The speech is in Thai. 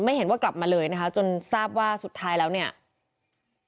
ไม่เห็นว่ากลับมาเลยจะทราบถ่ายแล้วเค้าถูกฆ่า